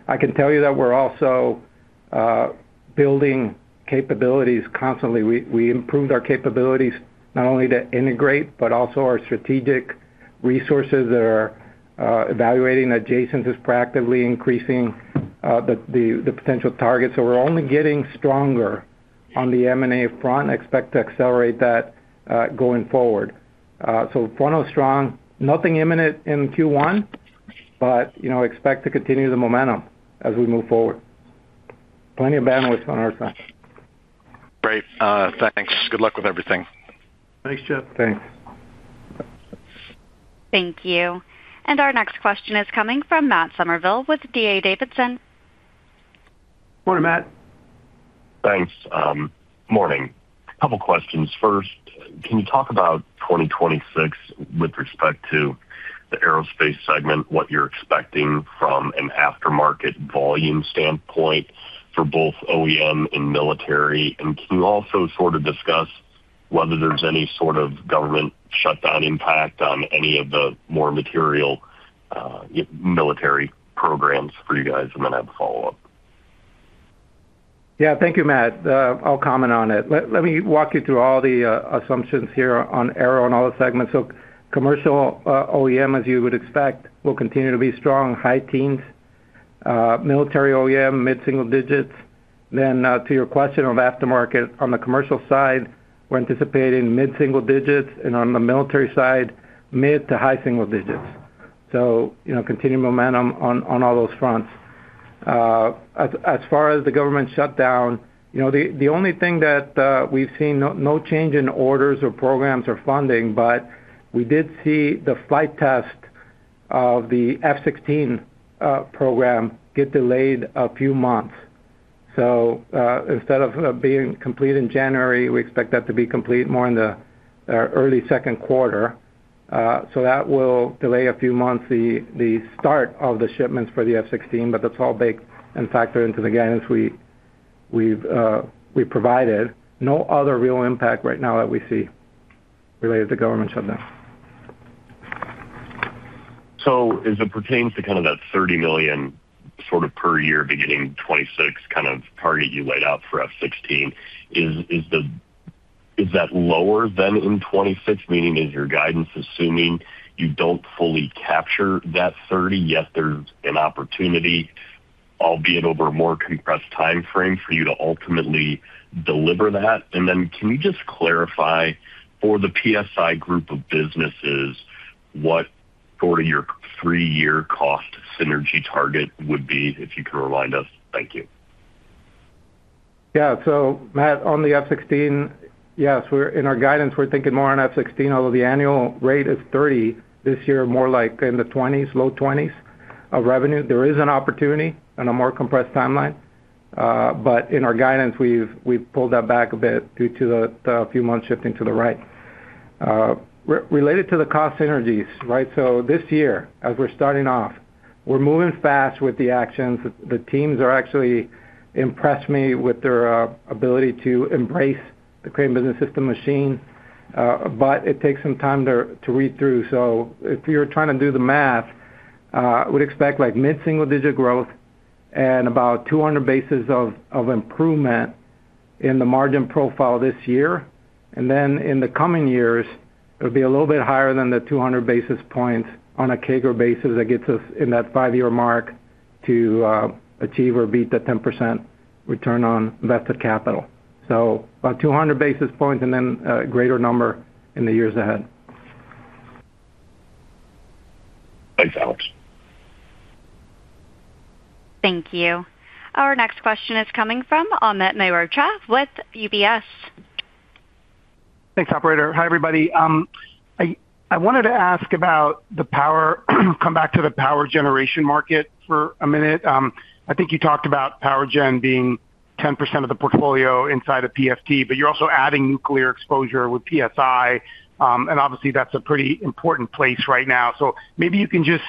S4: I can tell you that we're also building capabilities constantly. We improved our capabilities not only to integrate, but also our strategic resources that are evaluating adjacencies, proactively increasing the potential targets. So we're only getting stronger on the M&A front, expect to accelerate that going forward. So funnel is strong. Nothing imminent in Q1, but, you know, expect to continue the momentum as we move forward. Plenty of bandwidth on our front.
S8: Great. Thanks. Good luck with everything.
S4: Thanks, Jeff.
S3: Thanks.
S1: Thank you. Our next question is coming from Matt Summerville with D.A. Davidson.
S3: Morning, Matt.
S9: Thanks. Morning. A couple questions. First, can you talk about 2026 with respect to the aerospace segment, what you're expecting from an aftermarket volume standpoint for both OEM and military? And can you also sort of discuss whether there's any sort of government shutdown impact on any of the more material, military programs for you guys? And then I have a follow-up.
S4: Yeah. Thank you, Matt. I'll comment on it. Let me walk you through all the assumptions here on Aero and all the segments. So commercial OEM, as you would expect, will continue to be strong, high teens. Military OEM, mid-single digits. Then to your question on aftermarket, on the commercial side, we're anticipating mid-single digits, and on the military side, mid- to high-single digits. So, you know, continuing momentum on all those fronts. As far as the government shutdown, you know, the only thing that we've seen no change in orders or programs or funding, but we did see the flight test of the F-16 program get delayed a few months. So, instead of being complete in January, we expect that to be complete more in the early second quarter. So that will delay a few months, the start of the shipments for the F-16, but that's all baked and factored into the guidance we provided. No other real impact right now that we see related to government shutdown.
S9: So as it pertains to kind of that $30 million, sort of, per year beginning 2026 kind of target you laid out for F-16, is that lower than in 2026? Meaning, is your guidance assuming you don't fully capture that $30 million, yet there's an opportunity, albeit over a more compressed time frame, for you to ultimately deliver that? And then can you just clarify for the PSI group of businesses, what sort of your three-year cost synergy target would be, if you could remind us? Thank you.
S4: Yeah. So Matt, on the F-16, yes, we're in our guidance, we're thinking more on F-16, although the annual rate is 30, this year, more like in the 20s, low 20s of revenue. There is an opportunity on a more compressed timeline, but in our guidance, we've pulled that back a bit due to the few months shifting to the right. Related to the cost synergies, right? So this year, as we're starting off, we're moving fast with the actions. The teams are actually impressed me with their ability to embrace the Crane Business System machine, but it takes some time to read through. So if you're trying to do the math, I would expect like mid-single-digit growth and about 200 basis points of improvement in the margin profile this year. Then in the coming years, it'll be a little bit higher than the 200 basis points on a CAGR basis that gets us in that five-year mark to achieve or beat the 10% return on invested capital. So about 200 basis points and then a greater number in the years ahead.
S3: Thanks, Alex....
S1: Thank you. Our next question is coming from Amit Mehrotra with UBS.
S10: Thanks, operator. Hi, everybody. I wanted to ask about the power, come back to the power generation market for a minute. I think you talked about power gen being 10% of the portfolio inside of PFT, but you're also adding nuclear exposure with PSI. And obviously, that's a pretty important place right now. So maybe you can just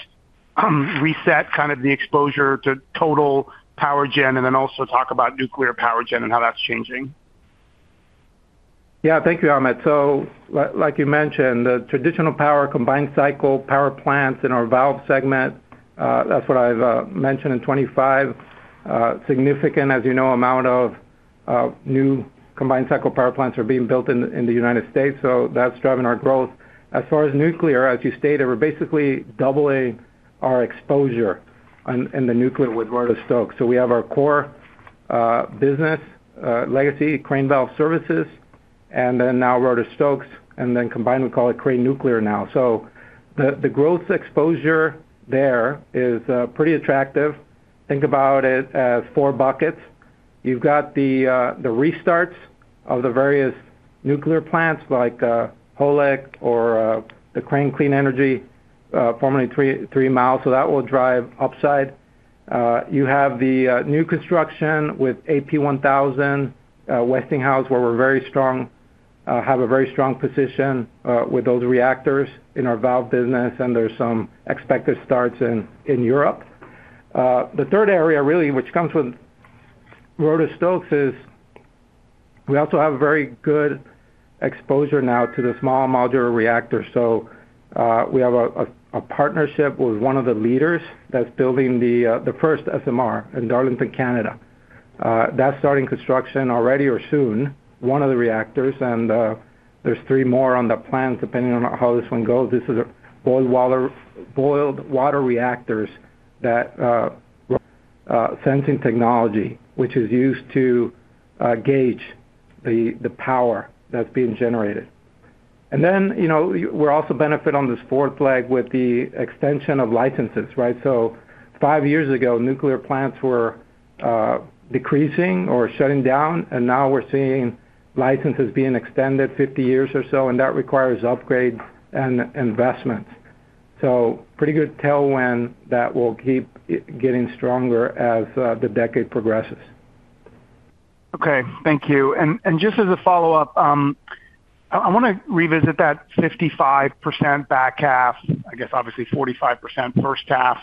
S10: reset kind of the exposure to total power gen and then also talk about nuclear power gen and how that's changing.
S4: Yeah. Thank you, Ahmet. So like you mentioned, the traditional power combined cycle power plants in our valve segment, that's what I've mentioned in 25. Significant, as you know, amount of new combined cycle power plants are being built in the United States, so that's driving our growth. As far as nuclear, as you stated, we're basically doubling our exposure in the nuclear with Reuter-Stokes. So we have our core business, legacy, Crane Valve Services, and then now Reuter-Stokes, and then combined, we call it Crane Nuclear now. So the growth exposure there is pretty attractive. Think about it as four buckets. You've got the restarts of the various nuclear plants, like Holtec or the Crane Clean Energy Center, formerly Three Mile Island, so that will drive upside. You have the new construction with AP1000 Westinghouse, where we're very strong, have a very strong position with those reactors in our valve business, and there's some expected starts in Europe. The third area, really, which comes with Reuter-Stokes, is we also have very good exposure now to the small modular reactors. So, we have a partnership with one of the leaders that's building the first SMR in Darlington, Canada. That's starting construction already or soon, one of the reactors, and there's three more on the plan, depending on how this one goes. This is a boiled water reactors that sensing technology, which is used to gauge the power that's being generated. And then, you know, we're also benefit on this fourth leg with the extension of licenses, right? So five years ago, nuclear plants were decreasing or shutting down, and now we're seeing licenses being extended 50 years or so, and that requires upgrades and investments. So pretty good tell when that will keep getting stronger as the decade progresses.
S10: Okay, thank you. And just as a follow-up, I wanna revisit that 55% back half, I guess obviously 45% first half,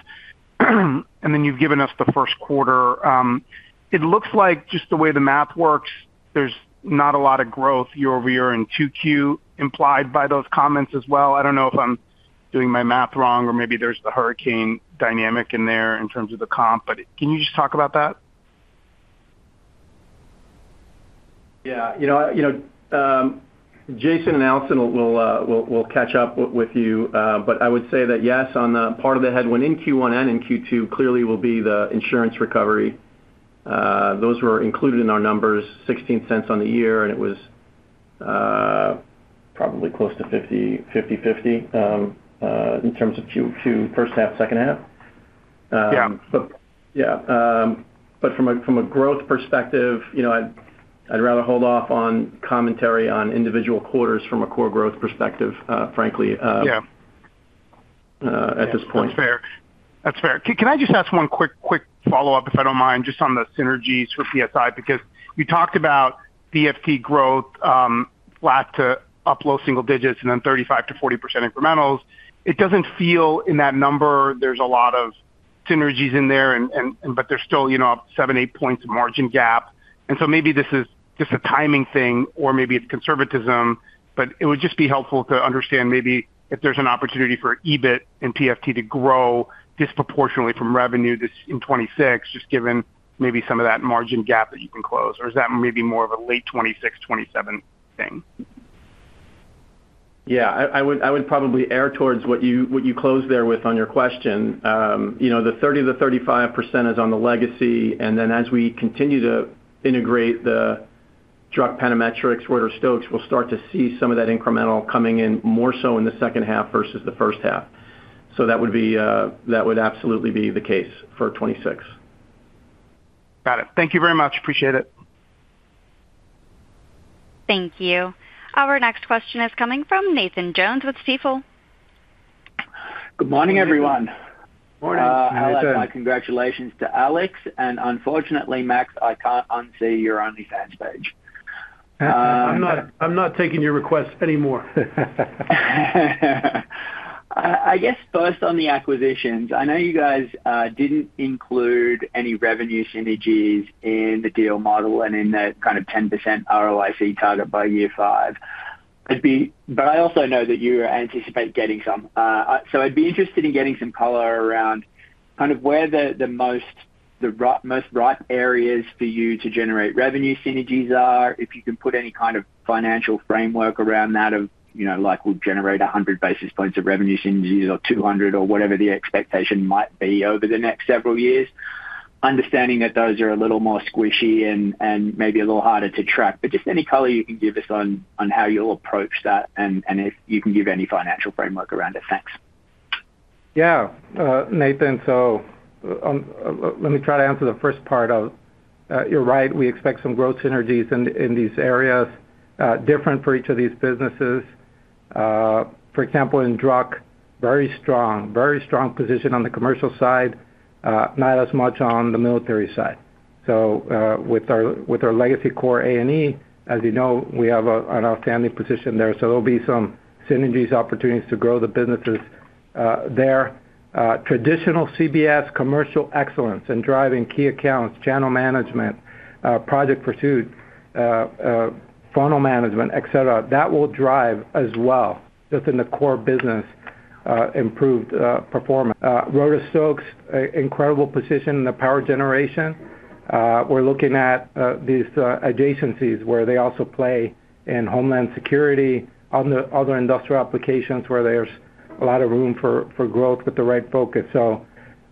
S10: and then you've given us the first quarter. It looks like just the way the math works, there's not a lot of growth year-over-year in 2Q, implied by those comments as well. I don't know if I'm doing my math wrong, or maybe there's the hurricane dynamic in there in terms of the comp, but can you just talk about that?
S5: Yeah, you know, Jason and Allison will catch up with you. But I would say that, yes, on the part of the headwind in Q1 and in Q2, clearly will be the insurance recovery. Those were included in our numbers, $0.16 on the year, and it was probably close to 50/50 in terms of Q2, first half, second half.
S10: Yeah.
S5: But yeah, but from a growth perspective, you know, I'd rather hold off on commentary on individual quarters from a core growth perspective, frankly.
S10: Yeah...
S5: at this point.
S10: That's fair. That's fair. Can I just ask one quick follow-up, if I don't mind, just on the synergies for PSI? Because you talked about PFT growth, flat to up low single digits and then 35%-40% incrementals. It doesn't feel, in that number, there's a lot of synergies in there and, and, but there's still, you know, 7-8 points of margin gap. And so maybe this is just a timing thing or maybe it's conservatism, but it would just be helpful to understand maybe if there's an opportunity for EBIT and PFT to grow disproportionately from revenue this, in 2026, just given maybe some of that margin gap that you can close, or is that maybe more of a late 2026, 2027 thing?
S5: Yeah, I would probably err towards what you closed there with on your question. You know, the 30%-35% is on the legacy, and then as we continue to integrate the Druck, Panametrics, Reuter-Stokes, we'll start to see some of that incremental coming in more so in the second half versus the first half. So that would absolutely be the case for 2026.
S10: Got it. Thank you very much. Appreciate it.
S1: Thank you. Our next question is coming from Nathan Jones with Stifel.
S11: Good morning, everyone.
S4: Morning.
S11: I'd like my congratulations to Alex, and unfortunately, Max, I can't unsee your OnlyFans page.
S3: I'm not, I'm not taking your request anymore.
S11: I guess first on the acquisitions, I know you guys didn't include any revenue synergies in the deal model and in the kind of 10% ROIC target by year five. I'd be, but I also know that you anticipate getting some. So I'd be interested in getting some color around kind of where the most ripe areas for you to generate revenue synergies are, if you can put any kind of financial framework around that of, you know, like, we'll generate 100 basis points of revenue synergies or 200 or whatever the expectation might be over the next several years. Understanding that those are a little more squishy and maybe a little harder to track, but just any color you can give us on how you'll approach that, and if you can give any financial framework around it. Thanks....
S4: Yeah, Nathan, so, let me try to answer the first part of... You're right, we expect some growth synergies in, in these areas, different for each of these businesses. For example, in Druck, very strong, very strong position on the commercial side, not as much on the military side. So, with our, with our legacy core, A&E, as you know, we have a, an outstanding position there, so there'll be some synergies, opportunities to grow the businesses, there. Traditional CBS commercial excellence in driving key accounts, channel management, project pursuit, funnel management, et cetera, that will drive as well, just in the core business, improved performance. Reuter-Stokes, incredible position in the power generation. We're looking at these adjacencies where they also play in homeland security, on the other industrial applications, where there's a lot of room for growth with the right focus. So,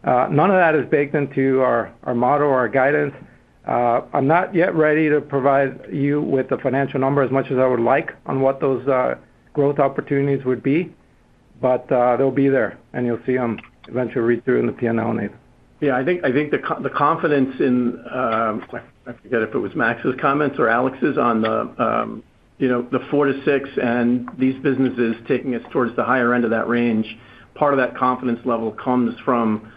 S4: none of that is baked into our model or our guidance. I'm not yet ready to provide you with the financial number, as much as I would like, on what those growth opportunities would be, but, they'll be there, and you'll see them eventually read through in the P&L, Nathan.
S5: Yeah, I think, I think the confidence in, I forget if it was Max's comments or Alex's on the, you know, the 4-6, and these businesses taking us towards the higher end of that range. Part of that confidence level comes from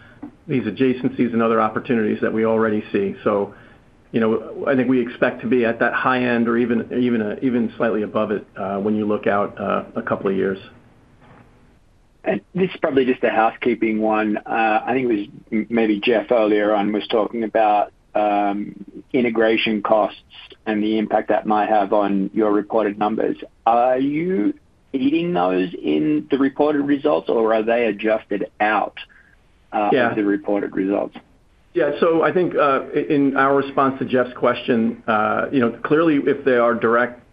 S5: these adjacencies and other opportunities that we already see. So, you know, I think we expect to be at that high end or even slightly above it, when you look out, a couple of years.
S11: This is probably just a housekeeping one. I think it was maybe Jeff earlier on, was talking about integration costs and the impact that might have on your reported numbers. Are you eating those in the reported results, or are they adjusted out?
S5: Yeah.
S11: of the reported results?
S5: Yeah. So I think, in our response to Jeff's question, you know, clearly, if they are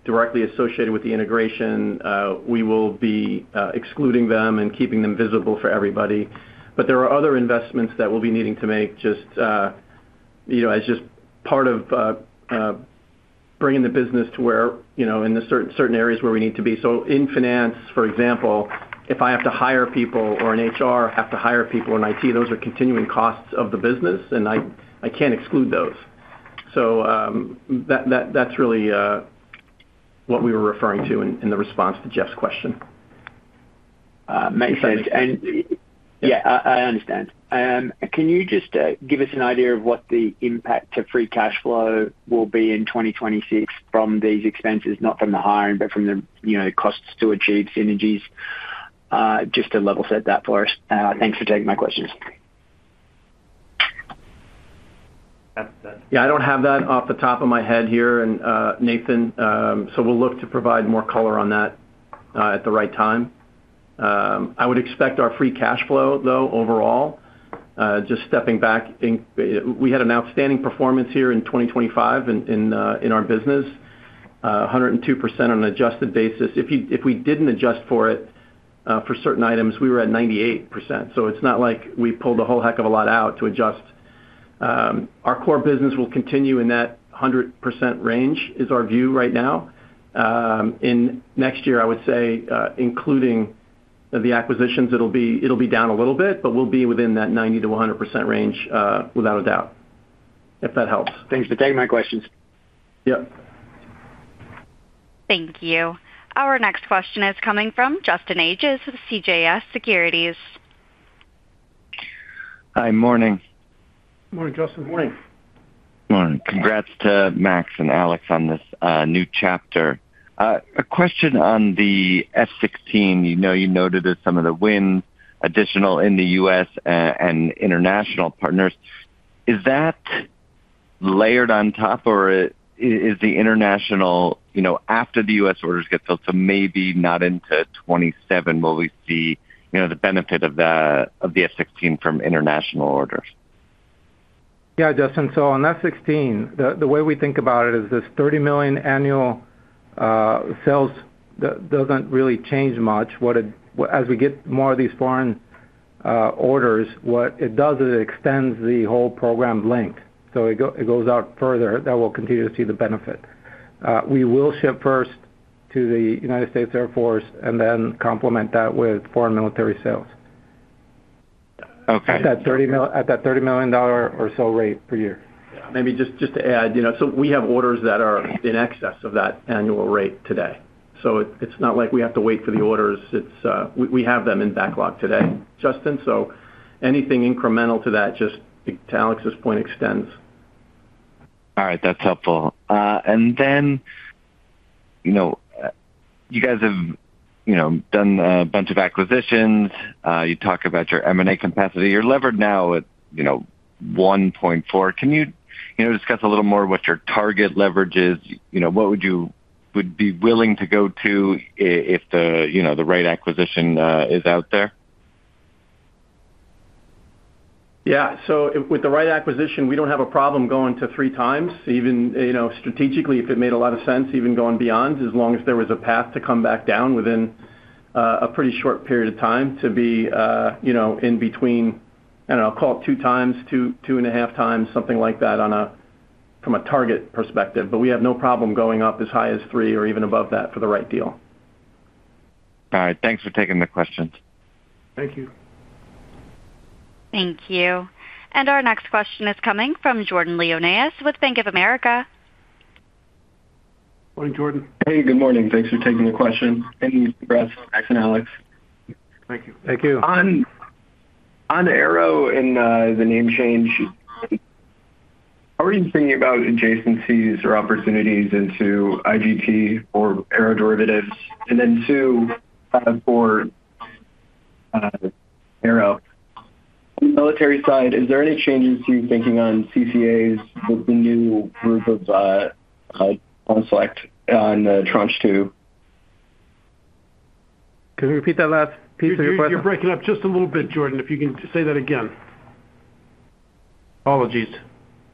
S5: directly associated with the integration, we will be excluding them and keeping them visible for everybody. But there are other investments that we'll be needing to make, just, you know, as just part of bringing the business to where, you know, in the certain areas where we need to be. So in finance, for example, if I have to hire people or in HR, have to hire people in IT, those are continuing costs of the business, and I can't exclude those. So, that's really what we were referring to in the response to Jeff's question.
S11: Makes sense. And, yeah, I understand. Can you just give us an idea of what the impact to free cash flow will be in 2026 from these expenses, not from the hiring, but from the, you know, costs to achieve synergies? Just to level set that for us. Thanks for taking my questions.
S5: Yeah, I don't have that off the top of my head here, and, Nathan, so we'll look to provide more color on that, at the right time. I would expect our free cash flow, though, overall, just stepping back. We had an outstanding performance here in 2025 in, in our business, 102% on an adjusted basis. If you, if we didn't adjust for it, for certain items, we were at 98%, so it's not like we pulled a whole heck of a lot out to adjust. Our core business will continue in that 100% range, is our view right now. In next year, I would say, including the acquisitions, it'll be, it'll be down a little bit, but we'll be within that 90%-100% range, without a doubt, if that helps.
S11: Thanks for taking my questions.
S5: Yep.
S1: Thank you. Our next question is coming from Justin Ages of CJS Securities.
S12: Hi, morning.
S4: Morning, Justin.
S12: Morning. Congrats to Max and Alex on this new chapter. A question on the F-16. You know, you noted that some of the wins, additional in the US and international partners. Is that layered on top, or is the international, you know, after the US orders get filled, so maybe not into 2027, will we see, you know, the benefit of the, of the F-16 from international orders?
S3: Yeah, Justin. So on F-16, the way we think about it is this $30 million annual sales doesn't really change much. As we get more of these foreign orders, what it does is it extends the whole program length, so it goes out further. That will continue to see the benefit. We will ship first to the United States Air Force and then complement that with foreign military sales.
S12: Okay.
S3: At that $30 million or so rate per year. Maybe just to add, you know, so we have orders that are in excess of that annual rate today. So it's not like we have to wait for the orders. It's we have them in backlog today, Justin, so anything incremental to that, just to Alex's point, extends.
S12: All right. That's helpful. And then, you know, you guys have, you know, done a bunch of acquisitions. You talk about your M&A capacity. You're levered now at, you know, 1.4. Can you, you know, discuss a little more what your target leverage is? You know, what would you be willing to go to if the, you know, the right acquisition is out there?
S3: Yeah. So with the right acquisition, we don't have a problem going to 3x, even, you know, strategically, if it made a lot of sense, even going beyond, as long as there was a path to come back down within a pretty short period of time to be, you know, in between, I don't know, call it 2x-2.5x, something like that, on a-... from a target perspective, but we have no problem going up as high as three or even above that for the right deal.
S12: All right, thanks for taking the questions.
S3: Thank you.
S1: Thank you. And our next question is coming from Jordan Lyonnais, with Bank of America.
S3: Morning, Jordan.
S13: Hey, good morning. Thanks for taking the question. Congrats, Max and Alex.
S3: Thank you.
S4: Thank you.
S13: On Aero and the name change, how are you thinking about adjacencies or opportunities into IGT or aeroderivatives? And then two, for Aero. On the military side, is there any changes to your thinking on CCAs with the new group of down-select on Tranche 2?
S4: Can you repeat that last piece of your question?
S3: You're breaking up just a little bit, Jordan. If you can say that again.
S13: Apologies.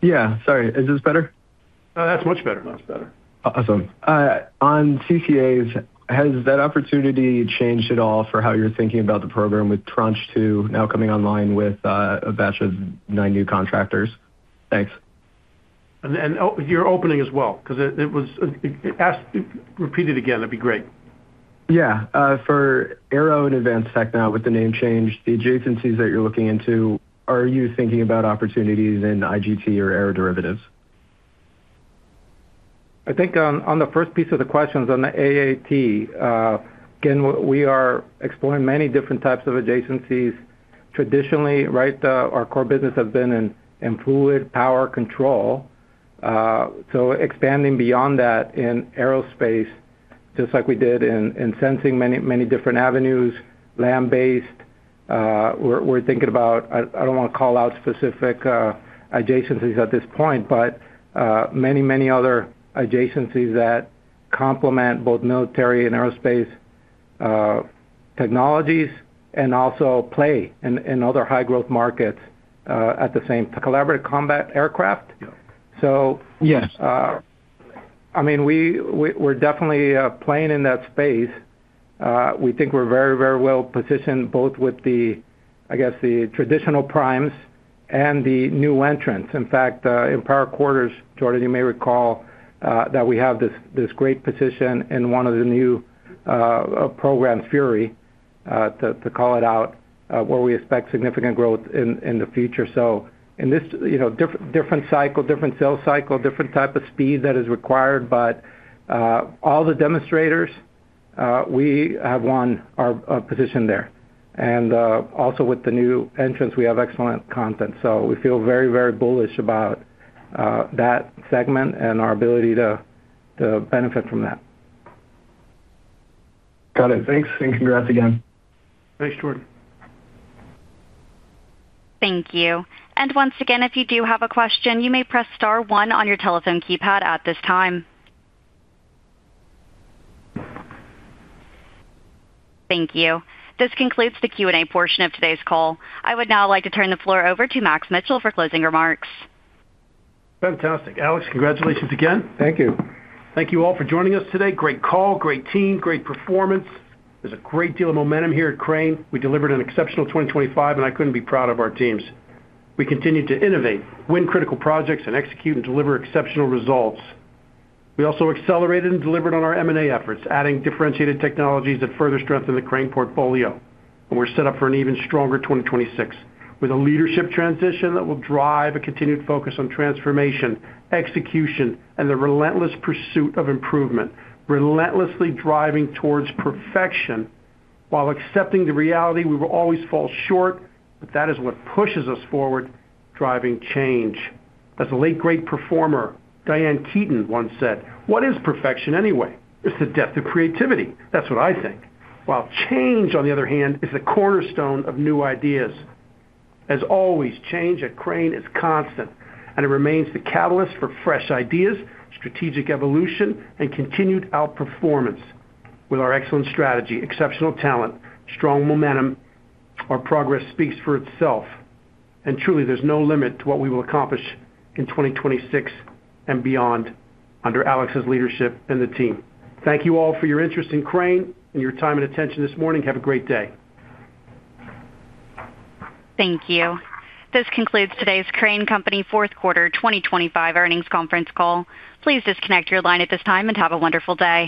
S13: Yeah, sorry. Is this better?
S3: That's much better.
S4: Much better. Awesome.
S13: On CCAs, has that opportunity changed at all for how you're thinking about the program with Tranche 2 now coming online with a batch of 9 new contractors? Thanks.
S4: And you're opening as well, because it was. Repeat it again, that'd be great.
S13: Yeah. For Aero and Advanced Tech, now, with the name change, the adjacencies that you're looking into, are you thinking about opportunities in IGT or aeroderivatives?
S4: I think on, on the first piece of the questions on the AAT, again, we are exploring many different types of adjacencies. Traditionally, right, our core business has been in, in fluid power control. So expanding beyond that in aerospace, just like we did in, in sensing many, many different avenues, land-based, we're, we're thinking about, I, I don't want to call out specific, adjacencies at this point, but, many, many other adjacencies that complement both military and aerospace, technologies, and also play in, in other high growth markets, at the same... Collaborative Combat Aircraft?
S13: Yeah.
S4: So-
S13: Yes.
S4: I mean, we're definitely playing in that space. We think we're very, very well positioned, both with the, I guess, the traditional primes and the new entrants. In fact, in prior quarters, Jordan, you may recall, that we have this great position in one of the new programs, Fury, to call it out, where we expect significant growth in the future. So in this, you know, different cycle, different sales cycle, different type of speed that is required, but all the demonstrators, we have won our position there. And also with the new entrants, we have excellent content, so we feel very, very bullish about that segment and our ability to benefit from that.
S13: Got it. Thanks, and congrats again.
S4: Thanks, Jordan.
S1: Thank you. Once again, if you do have a question, you may press star one on your telephone keypad at this time. Thank you. This concludes the Q&A portion of today's call. I would now like to turn the floor over to Max Mitchell for closing remarks.
S3: Fantastic. Alex, congratulations again.
S4: Thank you.
S3: Thank you all for joining us today. Great call, great team, great performance. There's a great deal of momentum here at Crane. We delivered an exceptional 2025, and I couldn't be proud of our teams. We continued to innovate, win critical projects, and execute and deliver exceptional results. We also accelerated and delivered on our M&A efforts, adding differentiated technologies that further strengthen the Crane portfolio. We're set up for an even stronger 2026, with a leadership transition that will drive a continued focus on transformation, execution, and the relentless pursuit of improvement, relentlessly driving towards perfection while accepting the reality we will always fall short, but that is what pushes us forward, driving change. As a late great performer, Diane Keaton, once said, "What is perfection anyway? It's the death of creativity." That's what I think. While change, on the other hand, is the cornerstone of new ideas. As always, change at Crane is constant, and it remains the catalyst for fresh ideas, strategic evolution, and continued outperformance. With our excellent strategy, exceptional talent, strong momentum, our progress speaks for itself, and truly, there's no limit to what we will accomplish in 2026 and beyond under Alex's leadership and the team. Thank you all for your interest in Crane and your time and attention this morning. Have a great day.
S1: Thank you. This concludes today's Crane Company fourth quarter 2025 earnings conference call. Please disconnect your line at this time and have a wonderful day.